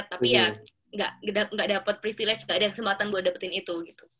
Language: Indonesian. tapi ya nggak dapat privilege gak ada kesempatan buat dapetin itu gitu